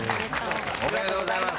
おめでとうございます。